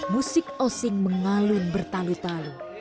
musik osing mengalun bertalu talu